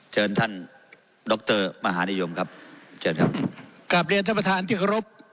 เจอท่านดรมหานิยมครับเจอครับกับเรียนท่านประธานที่รบ